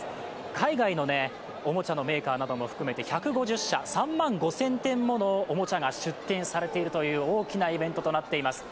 海外のおもちゃのメーカーなども含めて１５０社、３万５０００点ものおもちゃが出展されているという大きなイベントになっています。